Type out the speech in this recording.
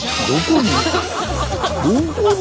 どこに？